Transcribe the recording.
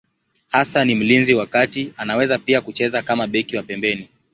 Hasa ni mlinzi wa kati, anaweza pia kucheza kama beki wa pembeni.